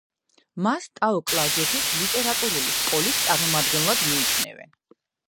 მას ტაო-კლარჯეთის ლიტერატურული სკოლის წარმომადგენლად მიიჩნევენ.